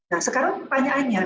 nah sekarang pertanyaannya